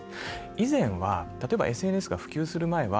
以前は、ＳＮＳが普及する前は